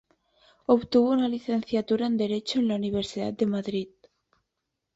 Obtuvo una Licenciatura en Derecho en la Universidad de Madrid.